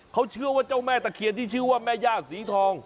เขาเชื่อว่าเจ้าแม่ตะเคียนที่ชื่อว่าแม่ย่าสีทอง